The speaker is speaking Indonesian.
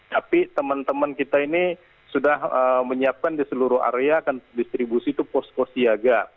tapi teman teman kita ini sudah menyiapkan di seluruh area distribusi itu posko siaga